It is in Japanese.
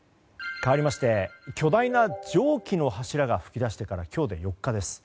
かわりまして巨大な蒸気の柱が噴き出してから今日で４日です。